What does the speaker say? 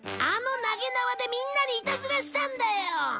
あのなげなわでみんなにいたずらしたんだよ。